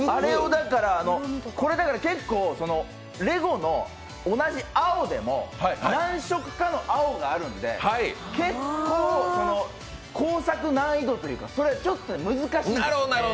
結構レゴの同じ青でも、何色かの青があるんで、結構、工作難易度というかちょっと難しいんです。